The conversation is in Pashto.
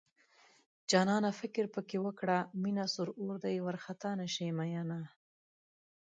جانانه فکر پکې وکړه مينه سور اور دی وارخطا نشې مينه